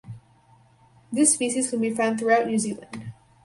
This species can be found throughout New Zealand.